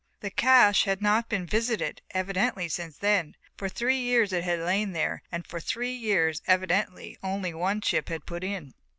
The cache had not been visited evidently since then. For three years it had lain here, and for three years, evidently, only one ship had put in.